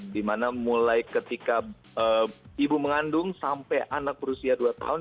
dimana mulai ketika ibu mengandung sampai anak berusia dua tahun